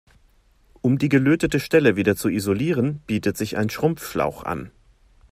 Um die gelötete Stelle wieder zu isolieren, bietet sich ein Schrumpfschlauch an.